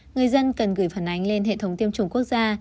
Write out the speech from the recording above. người dân cần gửi phản ánh lên hệ thống tiêm chủng quốc gia